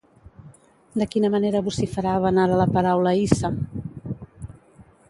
De quina manera vociferaven ara la paraula hissa?